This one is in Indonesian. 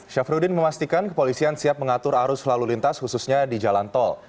syafruddin memastikan kepolisian siap mengatur arus lalu lintas khususnya di jalan tol